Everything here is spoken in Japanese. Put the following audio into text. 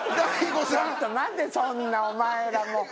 ちょっと待てそんなお前らも。